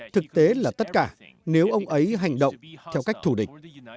thực tế là tất cả nếu ông ấy hành động theo cách thủ địch